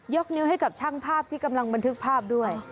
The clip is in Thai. นิ้วให้กับช่างภาพที่กำลังบันทึกภาพด้วย